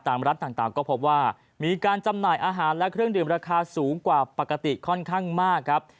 รัฐต่างก็พบว่ามีการจำหน่ายอาหารและเครื่องดื่มราคาสูงกว่าปกติค่อนข้างมากครับ